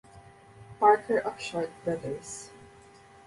Parker of Short Brothers.